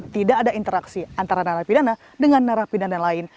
tidak ada interaksi antara narapidana dengan narapidana lain